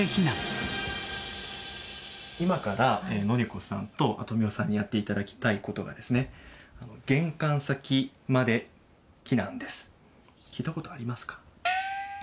今からのりこさんととみおさんにやって頂きたいことがですね聞いたことありますか？